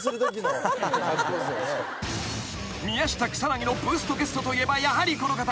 ［宮下草薙のブーストゲストといえばやはりこの方］